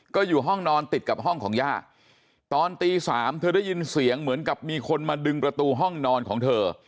ก็อยู่ห้องนอนติดกับห้องของย่าตอนตี๓เธอได้ยินเสียงเหมือนกับมีคนมาดึงประตูห้องนอนของเธอ